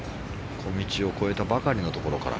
小道を越えたばかりのところから。